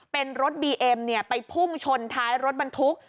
เป็นรถบีเอ็มไปพุ่งชนท้ายรถบรรทุก